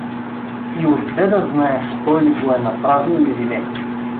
И отде да знаеш той ли го е направил, или не?